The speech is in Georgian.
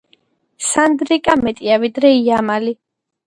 სანდრიკა მეტია ვიდრე იამალი